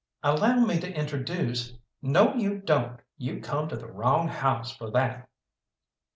"Allow me to introduce " "No you don't. You come to the wrong house for that."